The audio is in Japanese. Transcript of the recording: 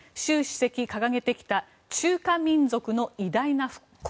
ポイント２習主席が掲げてきた中華民族の偉大な復興。